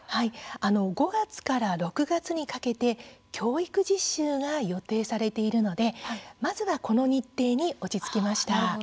５月から６月にかけて教育実習が予定されているのでまずはこの日程に落ち着きました。